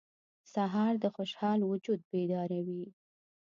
سهار د خوشحال وجود بیداروي.